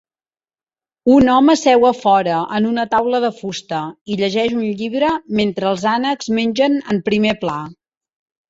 Un home seu a fora, en una taula de fusta, i llegeix un llibre mentre els ànecs mengen en primer pla.